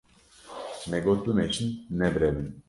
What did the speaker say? Me got bimeşin, ne birevin!